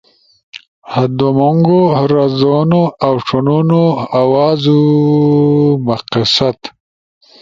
ومونگو (رزونو اؤ ݜنونو)، روازانہ مقصد